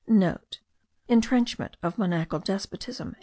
*(* Intrenchmnent of monachal despotism.)